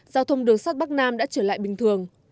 giao thông đường sắt bắc nam đã trở lại bình thường